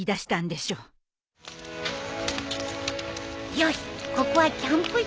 よしここはキャンプ場。